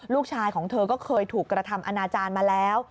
ลูกชายของเธอก็เคยถูกกระทำอนาจารย์มาแล้ว